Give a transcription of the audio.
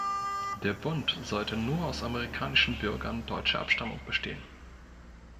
Der Bund sollte nur aus amerikanischen Bürgern deutscher Abstammung bestehen.